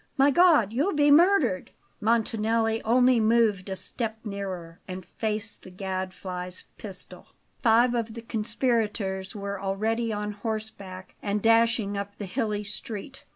My God, you'll be murdered!" Montanelli only moved a step nearer, and faced the Gadfly's pistol. Five of the conspirators were already on horseback and dashing up the hilly street.